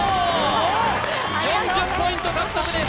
すごい４０ポイント獲得です